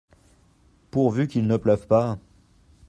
Pourvu qu’il ne pleuve pas !